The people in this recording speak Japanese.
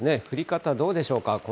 降り方、どうでしょうか。